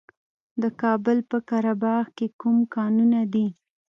د کابل په قره باغ کې کوم کانونه دي؟